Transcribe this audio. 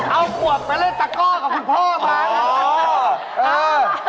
เอาขวดไปเล่นจักรกับพี่พ่อมา